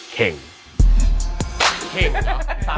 เข่งเหรอ